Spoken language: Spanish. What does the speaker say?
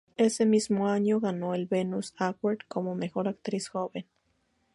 Ese mismo año, ganó el Venus Award como mejor actriz joven.